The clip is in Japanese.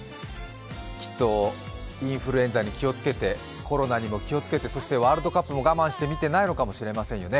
きっと、インフルエンザに気をつけて、コロナにも気をつけてそしてワールドカップも我慢して見てないのかもしれないですね。